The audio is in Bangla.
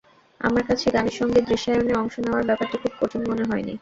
আমার কাছে, গানের সঙ্গে দৃশ্যায়নে অংশ নেওয়ার ব্যাপারটি খুব কঠিন মনে হয়নি।